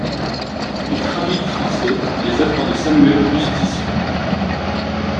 Il traduit du français les œuvres de Samuel Auguste Tissot.